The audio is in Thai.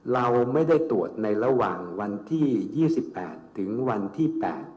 เราไม่ได้ตรวจในระหว่างวันที่๒๘ถึงวันที่๘